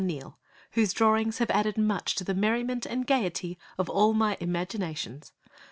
NEILL Whose drawings have added much to the merriment and gaiety of all my IMAGI NATIONS!